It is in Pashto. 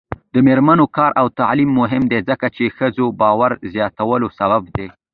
د میرمنو کار او تعلیم مهم دی ځکه چې ښځو باور زیاتولو سبب دی.